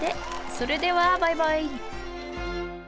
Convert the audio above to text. それではバイバイ！